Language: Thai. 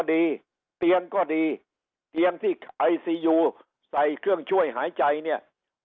ดีเตียงก็ดีเตียงที่ไอซียูใส่เครื่องช่วยหายใจเนี่ย